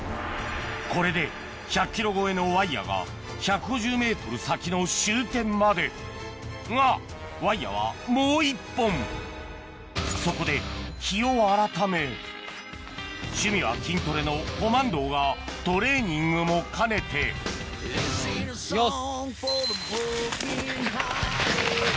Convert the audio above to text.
これで１００ｋｇ超えのワイヤが１５０ｍ先の終点までがワイヤはもう１本そこで日を改めがトレーニングも兼ねていきます。